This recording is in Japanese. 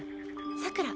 さくら。